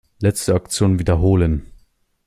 Letzte Aktion wiederholen.